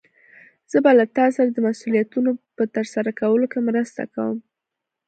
زه به له تا سره د مسؤليتونو په ترسره کولو کې مرسته کوم.